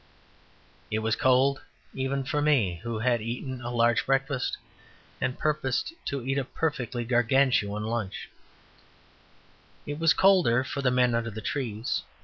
It was cold even for me, who had eaten a large breakfast and purposed to eat a perfectly Gargantuan lunch; it was colder for the men under the trees.